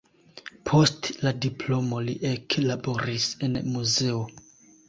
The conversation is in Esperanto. Post la diplomo li eklaboris en muzeo.